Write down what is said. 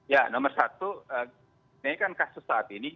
ya nomor satu ini kan kasus saat ini